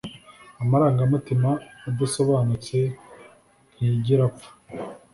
amarangamutima adasobanutse ntiyigera apfa